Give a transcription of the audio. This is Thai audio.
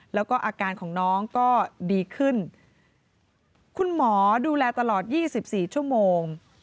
แล้วก็อาการของน้องก็ดีขึ้นคุณหมอดูแลตลอด๒๔ชั่วโมง